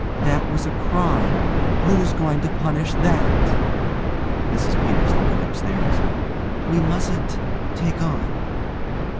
That was a crime! Who's going to punish that? MRS PETERS: (looking upstairs) We mustn't take on.